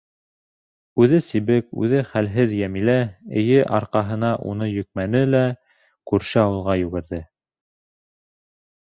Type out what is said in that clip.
Үҙе сибек, үҙе хәлһеҙ Йәмилә, эйе, арҡаһына уны йөкмәне лә күрше ауылға йүгерҙе...